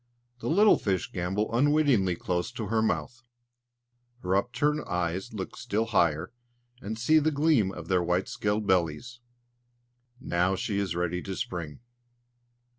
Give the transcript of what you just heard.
The little fish gambol unwittingly close to her mouth. Her upturned eyes look still higher, and see the gleam of their white scaled bellies. Now she is ready to spring.